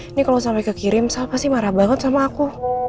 ini kalau sampai kekirim sal pasti marah banget sama aku